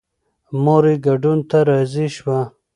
مور یې ګډون ته راضي شوه.